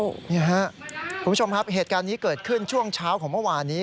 คุณผู้ชมครับเหตุการณ์นี้เกิดขึ้นช่วงเช้าของเมื่อวานนี้